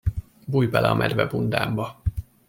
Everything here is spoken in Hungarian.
Bújj bele a medvebundámba!